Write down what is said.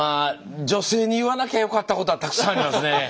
女性に言わなきゃよかったことはたくさんありますね。